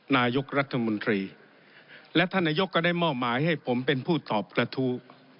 นายกรัฐมนตรีและท่านนายกก็ได้มอบหมายให้ผมเป็นผู้ตอบกระทู้